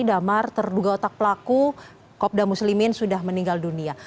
damar terduga otak pelaku kopda muslimin sudah meninggal dunia